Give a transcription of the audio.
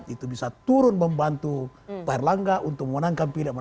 itu bisa turun membantu pak erlangga untuk memenangkan pilihan